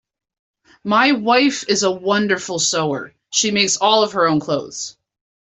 My wife is a wonderful sewer: she makes all her own clothes.